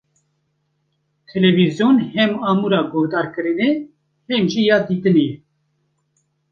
Televizyon hem amûra guhdarkirinê, hem jî ya dîtinê ye.